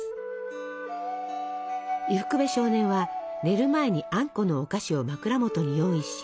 伊福部少年は寝る前にあんこのお菓子を枕元に用意し